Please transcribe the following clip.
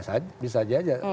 ya bisa saja